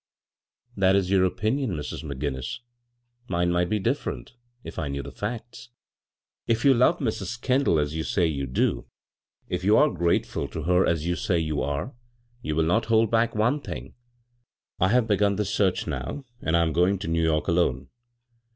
" That is your opinion, Mrs. McGinnis ; mine might be difierent, if I knew the facts. If you love Mrs, Kendall as you say you do, if you are as grateful to her as you say you are, you will not hold back one thing. I have begun the search now, and 1 am going to New York alone.